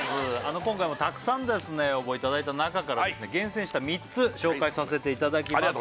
今回もたくさん応募いただいた中から厳選した３つ紹介させていただきます